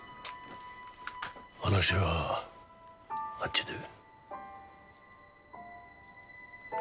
話はあっちで。